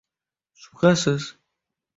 Shubhasiz.